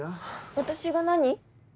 私が何？